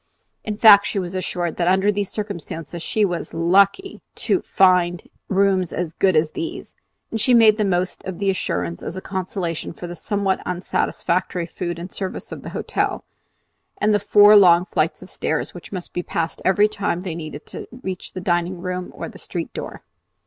In fact, she was assured that under the circumstances she was lucky in finding rooms as good as these; and she made the most of the assurance as a consolation for the somewhat unsatisfactory food and service of the hotel, and the four long flights of stairs which must be passed every time they needed to reach the dining room or the street door.